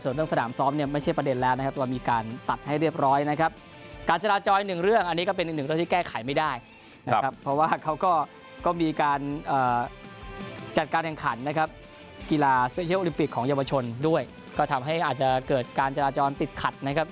ส่วนเรื่องสถานการณ์ซ้อมเนี่ยไม่ใช่ประเด็นแล้วนะครับ